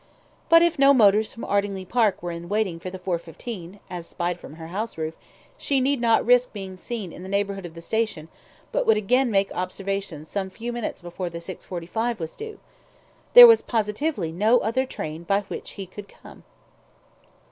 ... But if no motors from Ardingly Park were in waiting for the 4.15 (as spied from her house roof), she need not risk being seen in the neighbourhood of the station, but would again make observations some few minutes before the 6.45 was due. There was positively no other train by which he could come.